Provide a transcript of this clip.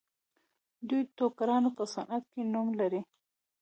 دوی د ټوکرانو په صنعت کې نوم لري.